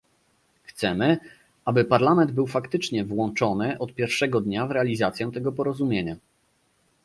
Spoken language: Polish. Chcemy, aby Parlament był faktycznie włączony od pierwszego dnia w realizację tego porozumienia